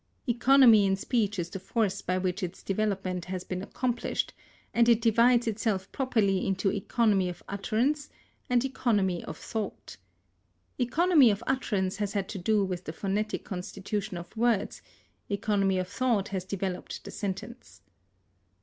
Economy in speech is the force by which its development has been accomplished, and it divides itself properly into economy of utterance and economy of thought. Economy of utterance has had to do with the phonic constitution of words; economy of thought has developed the sentence.